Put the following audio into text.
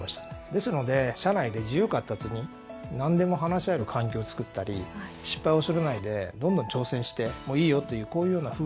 ですので社内で自由闊達に何でも話し合える環境をつくったり失敗を恐れないでどんどん挑戦してもいいよというこういうような風土。